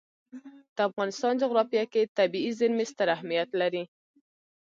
د افغانستان جغرافیه کې طبیعي زیرمې ستر اهمیت لري.